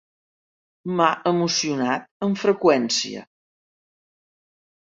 M'ha emocionat amb freqüència…